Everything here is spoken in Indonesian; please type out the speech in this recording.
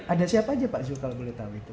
ada siapa aja pak zul kalau boleh tahu itu